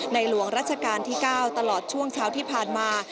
หลวงรัชกาลที่๙ตลอดช่วงเช้าที่ผ่านมา